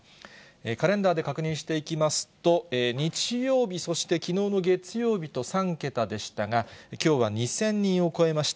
カレンダーで確認していきますと、日曜日、そしてきのうの月曜日と３桁でしたが、きょうは２０００人を超えました。